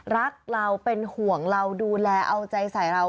รักเราเป็นห่วงเราดูแลเอาใจใส่เรา